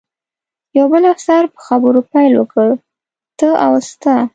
یو بل افسر په خبرو پیل وکړ، ته او ستا.